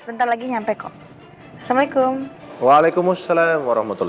gua nganyam kak bisa ketemu abang siroy tadi